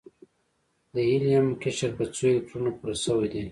د هیلیم قشر په څو الکترونونو پوره شوی دی؟